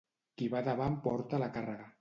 Qui va davant porta la càrrega.